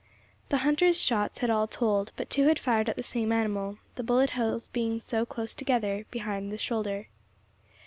The hunters' shots had all told; but two had fired at the same animal, the bullet holes being close to each other behind the shoulder.